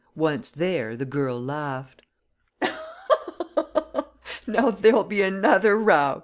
Once there the girl laughed. "Now there'll be another row!"